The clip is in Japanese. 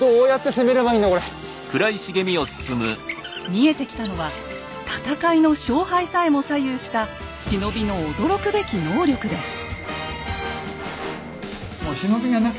見えてきたのは戦いの勝敗さえも左右した忍びの驚くべき能力です。